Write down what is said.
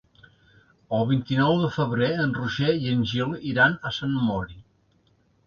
El vint-i-nou de febrer en Roger i en Gil iran a Sant Mori.